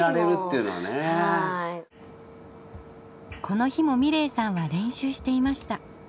この日も美礼さんは練習していました。